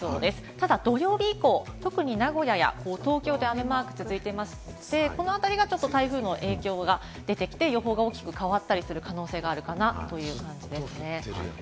ただ土曜日以降、特に名古屋や東京で雨マークが続いていますし、この辺りがちょっと台風の影響が出てきて、予報が大きく変わったりする可能性があるかなという感じです。